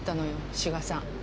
志賀さん。